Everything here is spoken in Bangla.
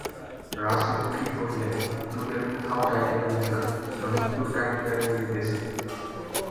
রাজলক্ষ্মী কহিলেন, তোদের কোথাও যাইতে হইবে না, আমিই তোর কাকীকে আনিয়া দিতেছি।